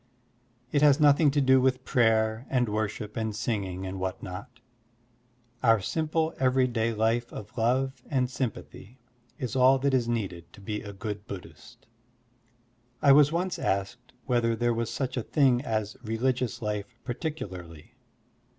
It has nothing to do with prayer and worship and singing and what not. Our simple everyday life of love and sympathy is all that is needed to be a good Buddhist. I was once asked whether there was such a thing as religious life particularly.